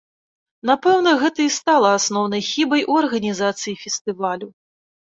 Напэўна, гэта і стала асноўнай хібай у арганізацыі фестывалю.